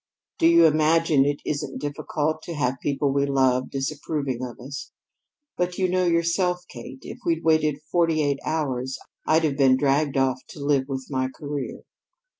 Do you imagine it isn't difficult to have people we love disapproving of us? But you know yourself, Kate, if we'd waited forty eight hours, I'd have been dragged off to live with my career."